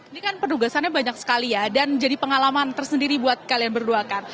ini kan penugasannya banyak sekali ya dan jadi pengalaman tersendiri buat kalian berduakan